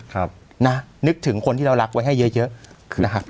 ครับนะนึกถึงคนที่เรารักไว้ให้เยอะเยอะนะครับ